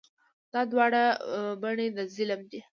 دا دواړه بڼې د ظلم دي.